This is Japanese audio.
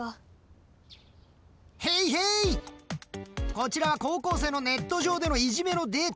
こちらは高校生のネット上でのいじめのデータ。